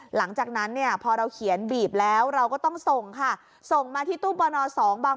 หลังจากนั้นพอเราเขียนบีบแล้วเราก็ต้องส่งค่ะ